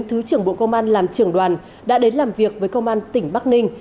thứ trưởng bộ công an làm trưởng đoàn đã đến làm việc với công an tỉnh bắc ninh